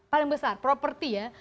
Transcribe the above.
paling besar properti ya